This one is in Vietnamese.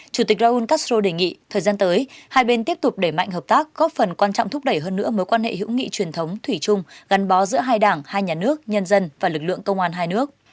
chủ tịch raúl castro đề nghị thời gian tới hai bên tiếp tục đẩy mạnh hợp tác góp phần quan trọng thúc đẩy hơn nữa mối quan hệ hữu nghị truyền thống thủy chung gắn bó giữa hai đảng hai nhà nước nhân dân và lực lượng công an hai nước